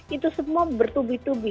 itu semua bertubi tubi